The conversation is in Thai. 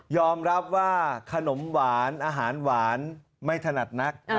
รับว่าขนมหวานอาหารหวานไม่ถนัดนัก